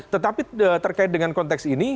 tetapi terkait dengan konteks ini